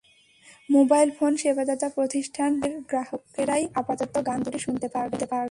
Mobile phone সেবাদাতা প্রতিষ্ঠান রবির গ্রাহকেরাই আপাতত গান দুটি শুনতে পাবেন।